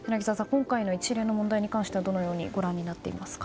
今回の一連の問題に関してはどのようにご覧になっていますか？